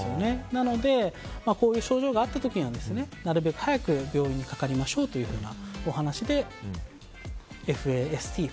なのでこういう症状があった時はなるべく早く病院にかかりましょうというお話でＦＡＳＴ。